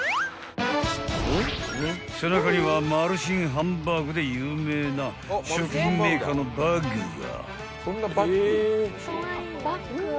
［背中にはマルシンハンバーグで有名な食品メーカーのバッグが］